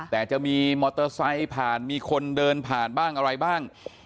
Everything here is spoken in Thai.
แต่จะมีมอเตอร์ไซค์ผ่านมีคนเดินผ่านบ้างอะไรบ้าง